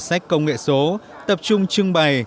sách công nghệ số tập trung trưng bày